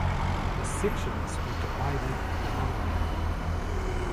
The sections were divided among them.